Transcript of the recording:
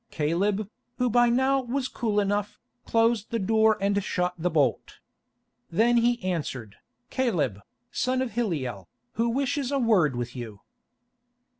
Caleb, who by now was cool enough, closed the door and shot the bolt. Then he answered, "Caleb, the son of Hilliel, who wishes a word with you."